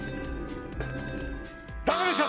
ダメでした。